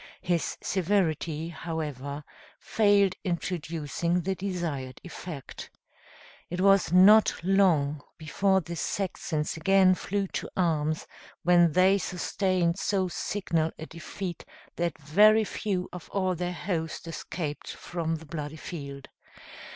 His severity, however, failed in producing the desired effect. It was not long before the Saxons again flew to arms, when they sustained so signal a defeat that very few of all their host escaped from the bloody field.